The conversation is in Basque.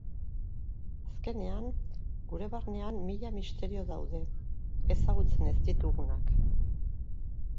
Azkenean, gure barnean mila misterio daude, ezagutzen ez ditugunak.